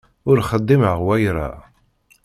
Ur xdimeɣ wayra.